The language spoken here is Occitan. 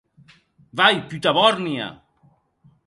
Vai, puta bòrnia!